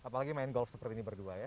apalagi main golf seperti ini berdua ya